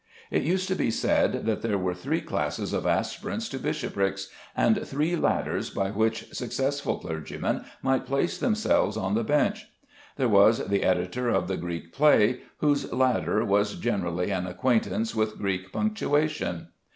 It used to be said that there were three classes of aspirants to bishoprics, and three ladders by which successful clergymen might place themselves on the bench. There was the editor of the Greek play, whose ladder was generally an acquaintance with Greek punctuation.